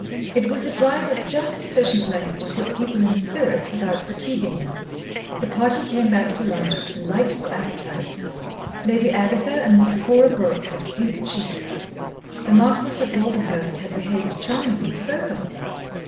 It was a drive of just sufficient length to put people in spirits without fatiguing them. The party came back to lunch with delightful appetities. Lady Agatha and Miss Cora Brooke had pink cheeks. The Marquis of Walderhurst had behaved charmingly to both of them.